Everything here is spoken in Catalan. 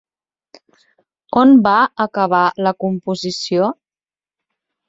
On va acabar la composició?